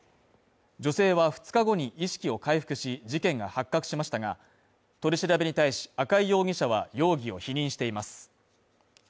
女性は２日後に意識を回復し、事件が発覚しましたが、取り調べに対し赤井容疑者は容疑を否認しています。